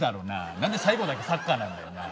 何で最後だけサッカーなんだよなあ。